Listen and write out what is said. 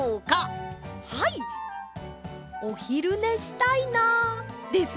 おひるねしたいなですね！